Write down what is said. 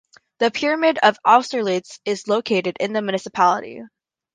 The Pyramid of Austerlitz is located in the municipality.